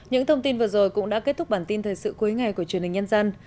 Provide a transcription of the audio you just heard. những thông tin vừa rồi cũng đã kết thúc bản tin thời sự cuối ngày của truyền hình nhân dân